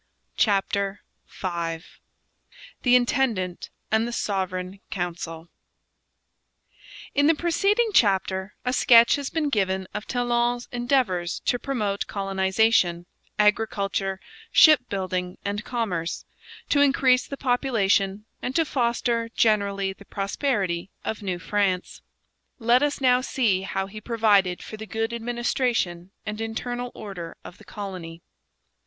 CHAPTER V THE INTENDANT AND THE SOVEREIGN COUNCIL In the preceding chapter a sketch has been given of Talon's endeavours to promote colonization, agriculture, shipbuilding, and commerce, to increase the population, and to foster generally the prosperity of New France. Let us now see how he provided for the good administration and internal order of the colony.